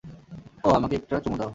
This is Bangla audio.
ওহ, আমাকে একটা চুমু দাও।